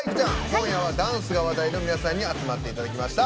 今夜はダンスが話題の皆さんに集まっていただきました。